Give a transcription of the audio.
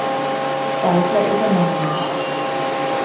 Zeidler übernommen.